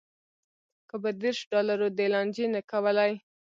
که په دېرش ډالرو دې لانجې نه کولی.